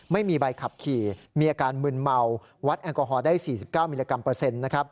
ไม่มีใบขับขี่มีอาการมึนเมาวัดแอลกอฮอลได้๔๙มิลลิกรัมเปอร์เซ็นต์นะครับ